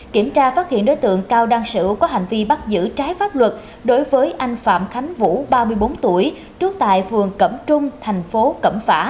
kiểm tra phát hiện đối tượng cao đăng sử có hành vi bắt giữ trái pháp luật đối với anh phạm khánh vũ ba mươi bốn tuổi trú tại phường cẩm trung thành phố cẩm phả